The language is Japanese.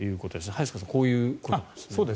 早坂さん、こういうことですね。